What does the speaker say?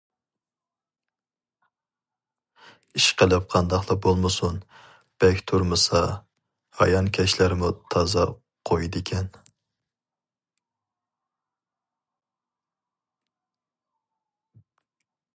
ئىشقىلىپ قانداقلا بولمىسۇن بەك تۇرمىسا ھايانكەشلەرمۇ تازا قويىدىكەن.